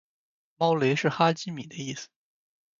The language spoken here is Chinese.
猫雷是哈基米的意思